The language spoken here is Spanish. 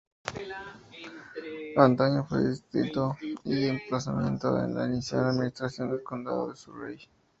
Antaño fue distrito y emplazamiento en la inicial administración del condado de Surrey.